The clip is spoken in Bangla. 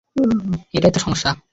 এটাই তো সমস্যা।